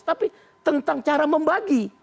tapi tentang cara membagi